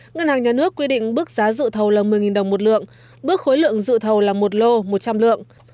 ngân hàng nhà nước quy định bước giá dự thầu là một mươi đồng một lượng bước khối lượng dự thầu là một lô một trăm linh lượng